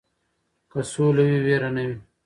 که سوله وي ویره نه وي.